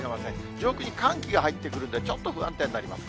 上空に寒気が入ってくるんで、ちょっと不安定になります。